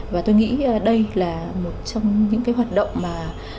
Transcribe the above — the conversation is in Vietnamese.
và tôi nghĩ đây là một trong những cái hoạt động mà